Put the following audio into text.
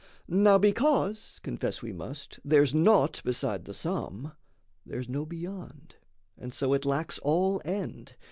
Now because Confess we must there's naught beside the sum, There's no beyond, and so it lacks all end.